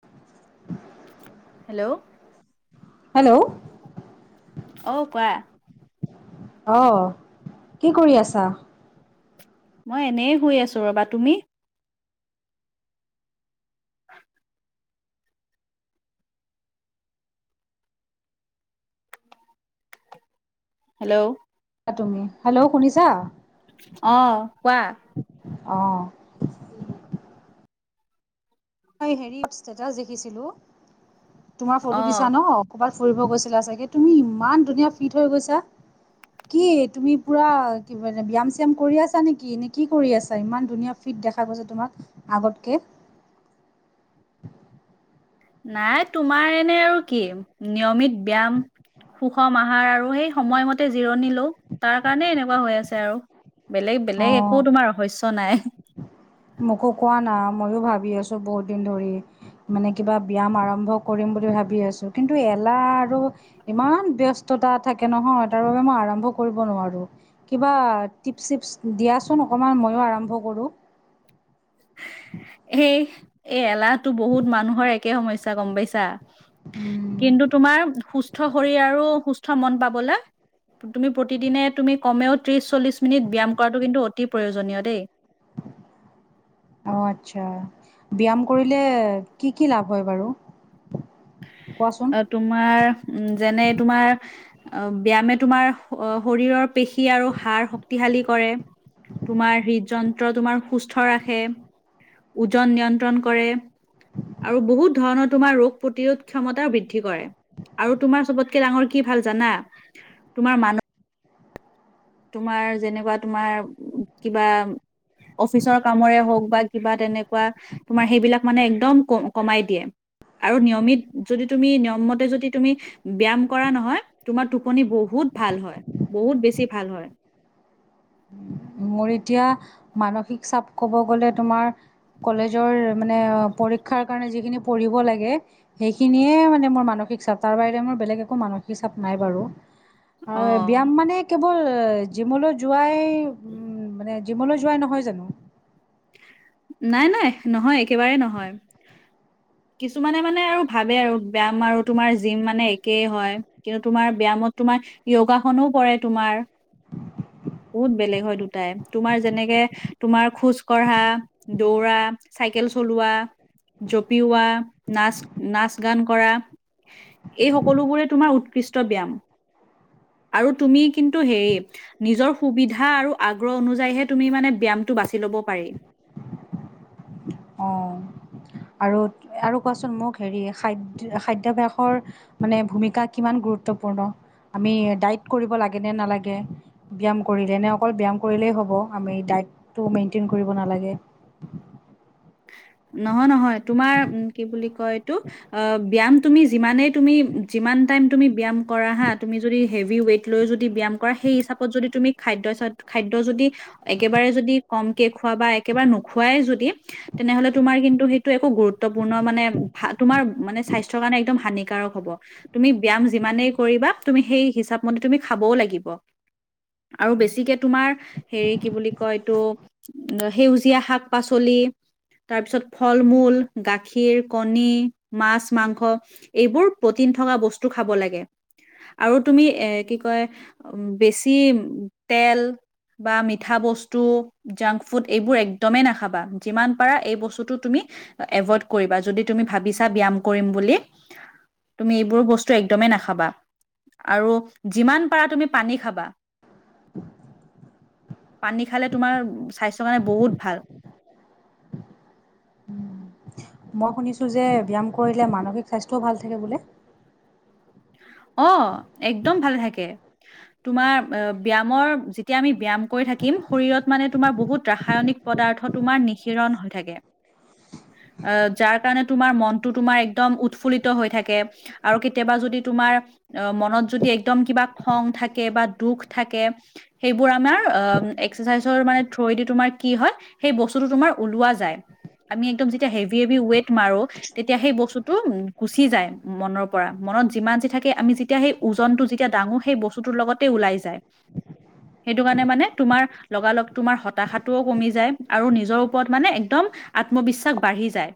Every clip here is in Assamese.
[inaudible] হেল্ল' হেল্ল' অ কোৱা অ কি কৰি আছা মই এনেই শুই আছো ৰবা তুমি হেল্ল' তুমি হেল্ল' শুনিছা আহ কোৱা অ ষ্টেটাছ দেখিছিলো তোমাৰ অ ফটো দিছা ন কবাত ফুৰিব গৈছিলা চাগে তুমি ইমান ধুনীয়া ফিট হৈ গৈছা কি তুমি পুৰা কি ব্যায়াম চ্যাম কৰি আছা নেকি নে কি কৰি আছা ইমান ধুনীয়া ফিট দেখা পাইছোঁ তোমাক আগতকে [inaudible] নাই তোমাৰ এনে আৰু কি নিয়মিত ব্যয়াম সুষম আহাৰ আৰু সেই সময়মতে জিৰণি লও তাৰ কাৰণে এনেকুৱা হৈ আছে আৰু বেলেগ বেলেগ অঁ একো তোমাৰ ৰহস্য নাই মোকো কোৱা না মইয়ো ভাবি আছো বহুত দিন ধৰি মানে কিবা ব্যয়াম আৰম্ভ কৰিম বুলি ভাবি আছো কিন্তু এলাহ আৰু ইমান ব্যস্ত তা থাকে নহয় তাৰ বাবে মই আৰাম্ভ কৰিব নোৱাৰোঁ কিবা টিপছ চিপছ দিয়া চোন বৰ্তমান ময়ো আৰম্ভ কৰোঁ সেই এই এলাহ বহুত মানুহৰ একে সমস্যা গম পাইছা কিন্তু তোমাৰ সুস্থ শৰীৰ আৰু সুস্থ মন পাবলে তুমি প্ৰতিদিনে তুমি কমেও ত্ৰিশ চল্লিশ মিনিট ব্যায়াম কৰাটো কিন্তু অতি প্ৰয়োজনীয় দেই [unintelligible] অ আচ্ছা ব্যায়াম কৰিলে কি কি লাভ হয় বাৰু কোৱাচোন অ তোমাৰ উ যেনে তোমাৰ অ ব্যায়ামে তোমাৰ শৰীৰৰ পেশী আৰু হাড় শক্তিশালী কৰে তোমাৰ হৃদযন্ত্ৰ তোমাৰ সুস্থ ৰাখে ওজন নিয়ন্ত্ৰণ কৰে আৰু বহুত ধৰণৰ তোমাৰ ৰোগ প্ৰতিৰোধ ক্ষমতাও বৃদ্ধি কৰে আৰু তোমাৰ চবতকে ডাঙৰ কি ভাল জানা তোমাৰ মানুহ তোমাৰ যেনিবা তোমাৰ কিবা অফিচৰ কামৰে হওক বা কিবা তেনেকুৱা তোমাৰ সেইবিলাক মানে একদম কমাই দিয়ে আৰু নিয়মিত যদি তুমি নিয়মমতে যদি তুমি ব্যয়াম কৰা নহয় তোমাৰ টোপনি বহুত বহুত ভাল হয় বহুত বেছি ভাল হয় মোৰ এতিয়া মানসিক চাপ কব গলে তোমাৰ কলেজৰ মানে পৰীক্ষাৰ কাৰণে যিখিনি পঢ়িব লাগে সেইখিনিয়ে মানে মোৰ মানস মানসিক চাপ তাৰ বাহৰে মোৰ বেলেগ একো মানসিক চাপ নাই বাৰু আৰু অ ব্যায়াম মানে কেৱল জিমলৈ যোৱা যোৱাই মানে জিমলৈ যোৱা নহয় জানো নাই নাই নহয় একেবাৰে নহয় কিছুমানে মানে আৰু ভাবে আৰু ব্যায়াম আৰু তোমাৰ জিম মানে একেই হয় কিন্তু তোমাৰ ব‍্যায়ামত তোমাৰ য়গাসনো পৰে তোমাৰ বহুত বেলেগ হয় দুটাই তোমাৰ যেনেকে তোমাৰ খোজ কঢ়া দৌৰা চাইকেল চলোৱা জপিওৱা নাচ নাচ গান কৰা এই সকলোবোৰেই তোমাৰ উৎকৃষ্ট ব্যায়াম আৰু তুমি কিন্তু হে নিজৰ সুবিধা আৰু আগ্ৰহ অনুযায়ীহে তুমি মানে ব্যায়ামটো বাচি লব পাৰি অ আৰু আৰু কোৱাচোন মোক হেৰি খাদ্য খাদ্যভ্যাসৰ মানে ভূমিকা কিমান গুৰুত্বপূৰ্ণ আমি দাইত কৰিব লাগে নে নালাগে ব্যায়াম কৰিলে নে অকল ব্যায়াম কৰিলেই হ'ব আমি ডাটটো মেইনটেইন কৰিব নালাগে [unintelligible] নহয় নহয় তোমাৰ কি বুলি কয় এইটো অ ব্যায়াম তুমি যিমানেই তুমি ইমান টাইম তুমি ব্যায়াম কৰা হা তুমি যদি হেভি ৱেট লৈ যদি ব্যায়াম কৰা সেই হিচাপত যদি তুমি খাদ্য খাদ্য যদি একেবাৰে যদি কমকে খোৱা বা একেবাৰে নোখোৱাই যদি তেনেহলে তোমাৰ কিন্তু সেইটো একো গুৰুত্বপূৰ্ণ মানে ভা- তোমাৰ মানে স্বাস্থ্যৰ কাৰণে একদম হানিকাৰক হব তুমি ব্যায়াম যিমানেই কৰিবা তুমি সেই হিচাপ মতে তুমি খাবও লাগিব আৰু বেছিকে তোমাৰ উ [unintelligible] তাৰপিছত ফল মূল গাখীৰ কণী মাছ মাংস এইবোৰ প্ৰটিন টো থকা বস্তু খাব লাগে আৰু তুমি এ কি কয় বেছি তেল বা মিঠা বস্তু জাংক ফুড এইবোৰ একদমেই নাখাবা যিমান যিমান পাৰা এই বস্তুটো তুমি আ এভয়ড কৰিবা যদি তুমি ভাবিছা ব্যাম কৰিম বুলি তুমি এইবোৰ বস্তু একদমেই নাখাবা আৰু যিমান পাৰা তুমি পানী খাবা [inaudible] পানী খালে তোমাৰ স্বাস্থ্যৰ কাৰণে বহুত ভাল মই শুনিছো যে ব্যায়াম কৰিলে মানসিক স্বাস্থ্যও ভাল থাকে বোলে অ একদম ভালে থাকে তোমাৰ ব্যায়ামৰ যেতিয়া আমি ব্যায়াম কৰি থাকিম শৰীৰত মানে তোমাৰ বহুত ৰাসায়নিক প পদাৰ্থ তোমাৰ নিশিৰণ হৈ থাকে আহ যাৰ কাৰণে তোমাৰ মনটো তোমাৰ একদম উৎফুল্লিত হৈ থাকে আৰু কেতিয়াবা যদি তোমাৰ অ মনত যদি এক্দম কিবা খং থাকে বা দুখ থাকে সেইবোৰ আমাৰ অ ইচ্চাজ থুৰেদী মানে কি হয়, সেই বস্তুটো তোমাৰ ওলোৱা যায় আমি একদম যেতিয়া হেভি হেভি ৱেইট মাৰো তেতিয়া সেই বস্তুটো গুচি যায় মনৰ পৰা মনত যিমান যি থাকে আমি যেতিয়া সেই ওজনটো যেতিয়া দাঙো সেই বস্তুতৰ লগতে ওলাই যায়। সেইটো কাৰণে মানে তোমাৰ লগালগ তোমাৰ হতাশাটোও কমি যায় আৰু নিজৰ ওপৰত মানে একদম আত্মবিশ্বাস বাঢ়ি যায়।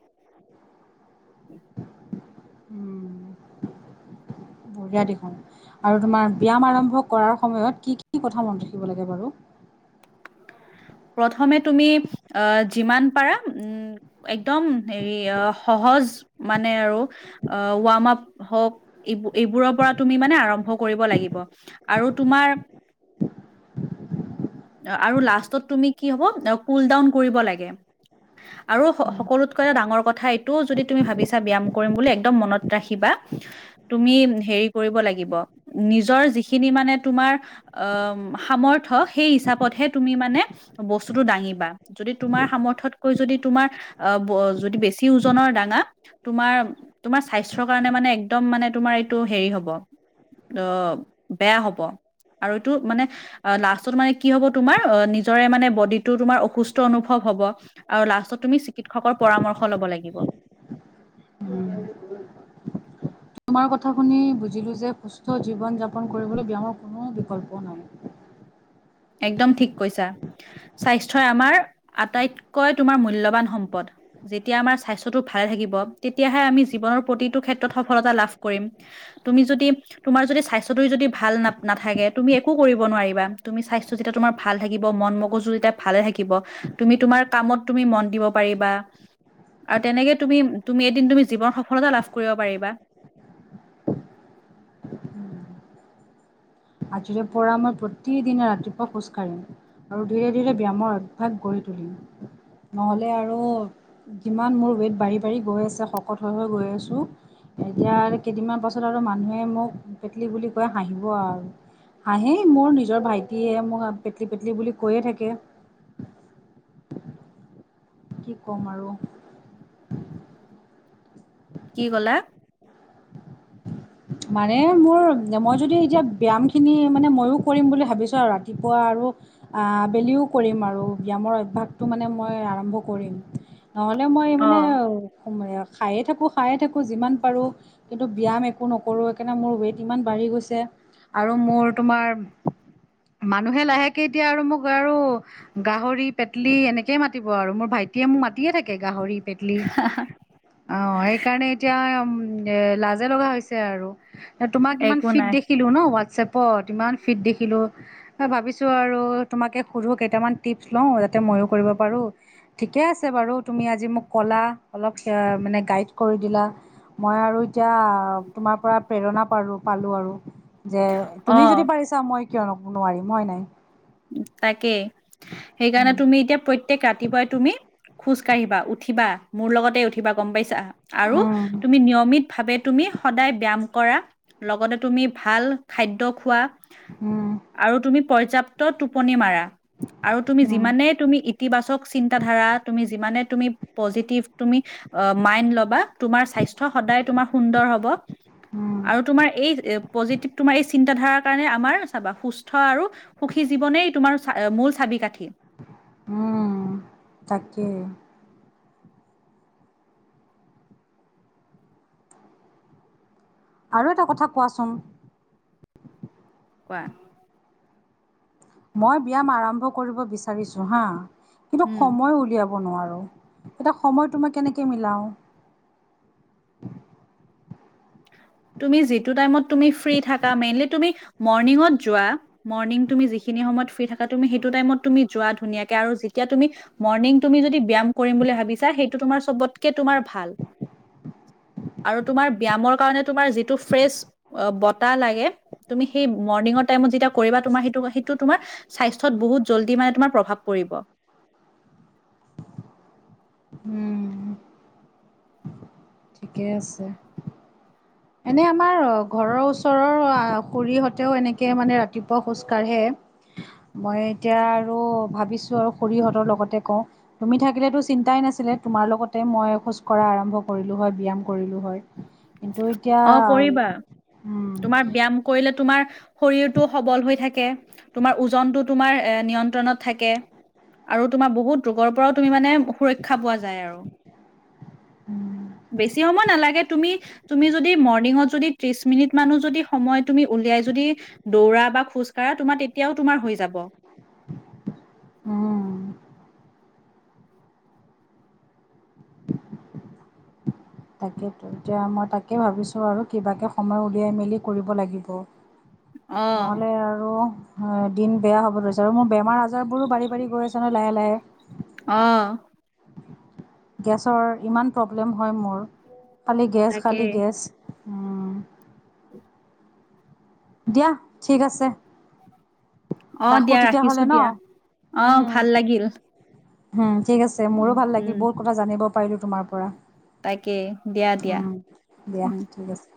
বঢ়িয়া দেখুন আৰু তোমাৰ ব্যয়াম আৰম্ভ কৰাৰ সময়ত কি কি কথা মনত ৰাখিব লাগে বাৰু [inaudible] প্ৰথমে তুমি আহ যিমান পাৰা উম একদম হেৰি সহজ সহজ মানে আৰু অঁ ৱাৰ্মৰ্ক হওক এইবোৰৰ পৰা তুমি মানে আৰম্ভ কৰি কৰিব লাগিব, আৰু তোমাৰ আৰু লাষ্ট তুমি কি হব কুল ডাউন কৰিব লাগে আৰু সকলোতকৈ এটা ডাঙৰ কথা এইটোও যদি তুমি ভাবিছা ব্যায়াম কৰিম বুলি একদম মনত ৰাখিবা [inaudible] তুমি হেৰি কৰিব লাগিব নিজৰ যিখিনি মানে তোমাৰ অ সাম অৰ্থ সেই হিচাপতহে তুমি মানে বস্তুতটো দাঙিবা যদি তোমাৰ সামৰ্থতকৈ যদি তোমাৰ আহ যদি বেছি ওজনৰ দাঙা তোমাৰ তোমাৰ স্বাস্থ্যৰ কাৰণে মানে একদম মানে তোমাৰ এইটো হেৰি হ'ব। অ বেয়া হব আৰু এইটো মানে লাষ্টত মানে কি হ'ব তোমাৰ অ নিজ নিজৰে মানে বডিটো তোমাৰ অসুস্থ অনুভৱ হব আৰু লাষ্টত তুমি চিকিৎসকৰ পৰামৰ্শ লব লাগিব। [inaudible] তোমাৰ কথা শুনি বুজিলোঁ যে সুস্থ জীৱন যাপন কৰিবলৈ ব্যায়ামৰ কোনো বিকল্প নাই। [inaudible] একদম ঠিক কৈছা, স্বাস্থ্যই আমাৰ আটাইতকৈ তোমাৰ মূল্যবান সম্পদ। যেতিয়া আমাৰ স্বাস্থ্যটো ভালে থাকিব তেতিয়াহে আমি জীৱনৰ প্ৰতিটো ক্ষেত্ৰত সফলতা লাভ কৰিম। তুমি যদি তোমাৰ যদি স্বাস্থ্যটো যদি ভাল না নাথাকে তুমি একো কৰিব নোৱাৰিবা তুমি স্বাস্থ্য। যেতিয়া তুমাৰ ভাল থাকিব মন মগজু যেতিয়া ভালে থাকিব তুমি তোমাৰ কামত তুমি মন দিব পাৰিবা। আৰু তেনেকে তুমি তুমি এদিন তুমি জীৱন সফলতা লাভ কৰিব পাৰিবা। [inaudible] আজিৰে পৰা মই প্ৰতিদিনে ৰাতিপুৱা খোজ কাঢ়িম। আৰু ধীৰে ধীৰে ব্যায়ামৰ অভ্যাস গঢ়ি তুলিম। নহ'লে আৰু যিমান মোৰ ৱেইট বাঢ়ি বাঢ়ি গৈ আছে শকত হৈ হৈ গৈ আছোঁ। এতিয়া কেইদিনমান পাছত আৰু মানুহে মোক পেটলি বুলি কয় হাঁহিব আৰু। হাঁ হি মোৰ নিজৰ ভাইটিয়ে মোক পেটলি পেটলি বুলি কৈয়ে থাকে। [unintelligible] কি কম আৰু। কি কলা? মানে মোৰ মই যদি এতিয়া ব্যায়াম খিনি মানে ময়ও কৰিম বুলি ভাবিছো আৰু ৰাতিপুৱা, আৰু আবেলিও কৰিম আৰু ব্যায়াম অভ্যাস টো মানে মই আৰম্ভ কৰিম, নহ'লে মই অ মানে খায়ে থাকোঁ খায়ে থাকোঁ যিমান পাৰোঁ, কিন্তু ব্যায়াম একো একো নকৰো সেইকাৰণে মোৰ ৱেইট ইমান বাঢ়ি গৈছে, আৰু মোৰ তোমাৰ। মানুহে লাহেকে এতিয়া আৰু মোক আৰু গাহৰি পেটলি এনেকেই মাতিব আৰু, মোৰ ভাইটি। এতিয়া মোৰ মায়ে থাকে গাহৰিত,। পেটলী, অ সেইকাৰণে এতিয়া এ লাজে লগা হৈছে। সেয়াই আৰু তোমাক ইমান একো ফিট নাই দেখিলো ন হোৱাটছএপত ইমান ফিট দেখিলো, ভাবিছো আৰু তোমাকে সুধো কেইটামান টিপছ ল যাতে মইো কৰিব পাৰো, থিক ঠিকে আছে বাৰু তুমি আজি মোক ক'লা অলপ মানে গাইড কৰি দিলা। মই আৰু এতিয়া, তোমাৰ পৰা প্ৰেৰণা পাৰো পালো আৰু, যে অ তুমি যদি পাৰিছা মই। কিয় ব নোৱাৰিম হয় নাই? তাকেই, সেইকাৰণে উম, তুমি এতিয়া প্ৰত প্ৰত্যেক ৰাতিপুৱাই তুমি খোজ কাঢ়িবা, উঠিবা, মোৰ লগতে উঠিবা গম পাইছা। আৰু উম, তুমি নিয়মিত ভাৱে তুমি সদায় ব্যায়াম কৰা, লগতে তুমি ভাল খাদ্য খোৱা, হম। আৰু তুমি পৰ্যাপ্ত টোপনি মাৰা, আৰু তুমি উম, যিমানে তুমি ইতিবাচক চিন্তা ধাৰা তুমি যিমানে। তুমি প্ৰজিতিভ তুমি মাইন ল'বা, তোমৰ স্বাস্থ্য সদায় তোমাৰ সুন্দৰ হব, উম, আৰু তোমাৰ এই প্ৰজীতিভ টোমৰ এই চি। চিন্তাধাৰাৰ কাৰণে আমাৰ চাবা সুস্থ আৰু সুখী জীৱনেই তোমাৰ মূল চাবি কাঠি। উম তাকেই। আৰু এটা কথা কোৱাচোন? কোৱা? মই ব্যায়াম আৰম্ভ কৰিব বিচাৰিছো হা কিন্তু উম সময় উলিয়াব। ব নোৱাৰোঁ, এতিয়া সময় তোমাক কেনেকে মিলাও। [unintelligible] তুমি যিটো টাইমত তুমি ফ্ৰী থাকা, মেইনলি তুমি মৰ্নিংঙত যোৱা, মৰ্নিং তুমি যিখিনি। তমত ফ্ৰী থাকা তুমি হেইটো টাইমট যোৱা ধুনীয়াকে আৰু যেতিয়া তুমি মৰ্নিং তুমি যদি বিয়াম কৰিম বোলি ভাবি। বিচা সেইটো তোমাৰ চবতকে তোমাৰ ভাল, আৰু তোমাৰ ব্যমৰ। কাৰনে তোমাৰ যিটো ফেচ বতাহ লগে, তুমি হেই মৰ্নিংৰ টাইমত যেতিয়া। কৰিবা তোমাৰ সেইটো সেইটো তোমাৰ স্বাস্থত বহুত জল্দি মানে তোমাৰ প্ৰভাৱ পৰিব। উম। ঠিকেই আছে। এনে আমাৰ ঘৰৰ ওচৰৰ খুৰীহঁতেও এনেকে মানে ৰাতিপুৱা খোজ কঢ়ে। মই এতিয়া আৰু ভাবিছো আৰু খৰিহঁতৰ লগতে কওঁ, তুমি থাকিলেতো চিন্তাই- নছিলে তোমাৰ লগতে মই খোজ কঢ়া আৰম্ভ কৰিলো হয়, ব্যায়াম কৰিলো হয়, কিন্তু- এতিয়া অ কৰিবা, উম তোমাৰ ব্যয়াম কৰিলে। তোমাৰ শৰীৰটো সবল হৈ থাকে, তোমাৰ ওজনতটো তোমাৰ এ নিয়ন্ত্ৰণত থাকে। আৰু তোমাৰ বহুত ৰোগৰ পৰাও তুমি মানে সুৰক্ষা পোৱা যায় আও। উম বেছি সময় নালাগে, তুমি তুমি যদি মৰ্নিংঙত যদি ত্ৰিশ মিনিট মানো যদি সময় তুমি উলিয়াই যদি দৌৰা বা খোজকাঢ়া, ধৰা তোমাৰ তেতিয়াও তোমাৰ হৈ যাব। উম তাকেইো এতিয়া মই তাকেই ভাবিছোঁ আৰু কিবাকে সময় উলিয়াই মেলি কৰিব লাগিব। অ নহ'লে আৰু দিন বেয়া হ'ব ধৈছে আৰু মোৰ বেমাৰ আজাৰ বজাৰবোৰো বাঢ়ি বাঢ়ি গৈ আছে ন লাহে লাহে। অ গেছৰ ইমান প্ৰব্লেম হয় মোৰ খালী গেছ তাকে খালি গেছ। অঁ। দিয়া ঠিক আছে। অ ৰাখো দিয়া তেতিয়া ৰাখিছো হলে ন? দিয়া অ উম। ভাল লাগিল উম ঠিক আছে, মোৰো উম ভাল লাগিল উম বহুত কথা জানিব পাৰিলো তোমাৰ পৰা। তাকে দিয়া দিয়া। উম, দিয়া উম। ঠিক আছে